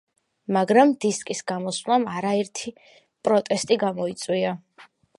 მაგრამ დისკის გამოსვლამ არაერთი პროტესტი გამოიწვია.